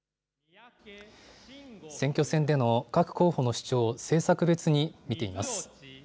選挙戦での各候補の主張を政策別に見ています。